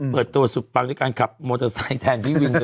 เปิดตัวสุดพังในการขับมอเตอร์ไซน์แทนพี่วิงเลย